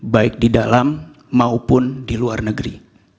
baik di dalam maupun di luar negeri